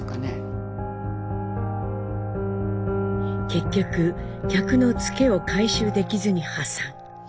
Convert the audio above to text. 結局客のツケを回収できずに破産。